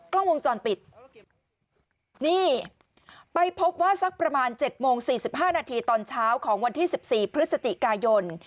กล้องวงจรปิดนี่ไปพบว่าสักประมาณ๗โมง๔๕นาทีตอนเช้าของวันที่๑๔พฤศจิกายน